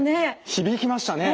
響きましたね。